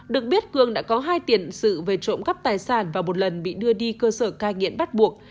được biết cường đã có hai tiền sự về trộm cắp tài sản và một lần bị đưa đi cơ sở cai nghiện bắt buộc